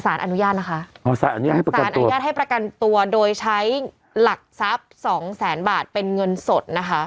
อันยาตอันยาตให้ประกันตัวโดยใช้หลักทราบสองแสนบาทเป็นเงินสดนะคะ